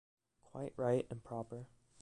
Quite right and proper.